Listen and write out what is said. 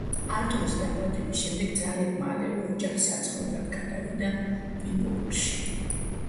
არტურის დაბადების შემდეგ ძალიან მალევე ოჯახი საცხოვრებლად გადავიდა ვიბორგში.